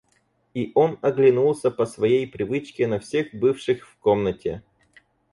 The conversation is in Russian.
И он оглянулся по своей привычке на всех бывших в комнате.